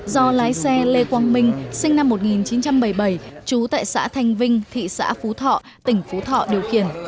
do lái xe lê quang minh sinh năm một nghìn chín trăm bảy mươi bảy trú tại xã thanh vinh thị xã phú thọ tỉnh phú thọ điều khiển